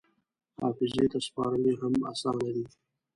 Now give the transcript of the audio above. حافظې ته سپارل یې هم اسانه دي.